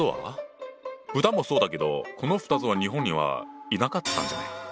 豚もそうだけどこの２つは日本にはいなかったんじゃない？